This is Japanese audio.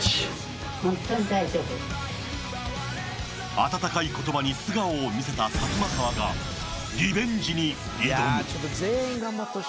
温かい言葉に素顔を見せたサツマカワがリベンジに挑む。